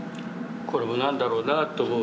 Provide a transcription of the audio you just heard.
これも何だろうなと思う。